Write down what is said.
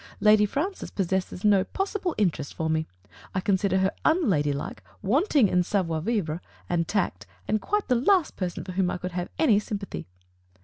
Lady Francis possesses no pos sible interest for me. I consider her unladylike, wanting in savoir vivre and tact, and quite the last person for whom I could have any sympathy."